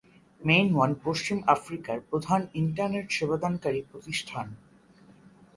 Main one পশ্চিম আফ্রিকার প্রধান ইন্টারনেট সেবাদানকারী প্রতিষ্ঠান।